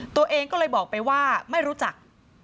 ตัวเองก็เลยบอกไปว่าไม่รู้จัก